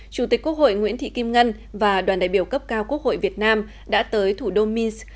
chủ tịch quốc hội nguyễn thị kim ngân và đoàn đại biểu cấp cao quốc hội việt nam đã tới thủ đô minsk